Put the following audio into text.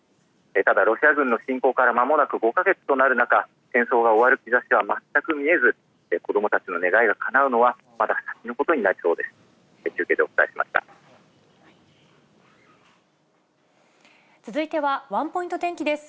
ただ、ロシア軍の侵攻からまもなく５か月となる中、戦争が終わる兆しは全く見えず、子どもたちの願いがかなうのは、まだ先のことになりそうです。